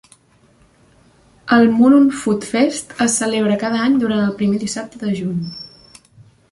El Monon Food Fest es celebra cada any, durant el primer dissabte de juny.